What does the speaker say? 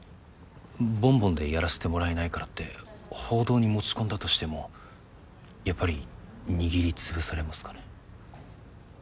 「ボンボン」でやらせてもらえないからって報道に持ち込んだとしてもやっぱり握り潰されますかね？